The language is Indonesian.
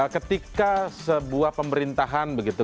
ketika sebuah pemerintahan begitu